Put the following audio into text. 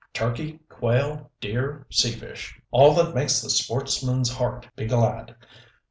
Turkey, quail, deer, sea fish. All that makes the sportsman's heart be glad.